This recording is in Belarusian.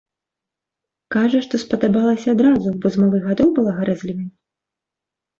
Кажа, што спадабалася адразу, бо з малых гадоў была гарэзлівай.